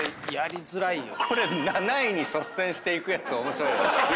これ７位に率先して行くやつ面白い。